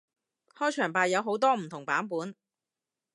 開場白有好多唔同版本